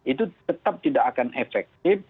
itu tetap tidak akan efektif